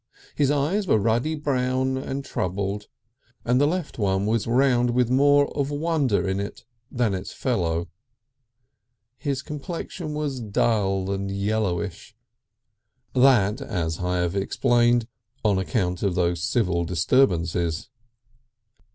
His eyes were ruddy brown and troubled, and the left one was round with more of wonder in it than its fellow. His complexion was dull and yellowish. That, as I have explained, on account of those civil disturbances.